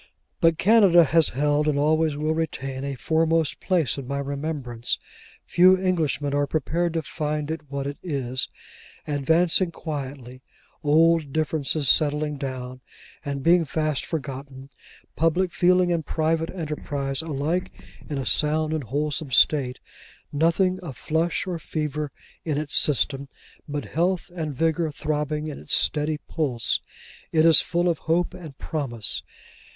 But Canada has held, and always will retain, a foremost place in my remembrance. Few Englishmen are prepared to find it what it is. Advancing quietly; old differences settling down, and being fast forgotten; public feeling and private enterprise alike in a sound and wholesome state; nothing of flush or fever in its system, but health and vigour throbbing in its steady pulse: it is full of hope and promise.